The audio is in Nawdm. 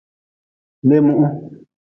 Leemuhu.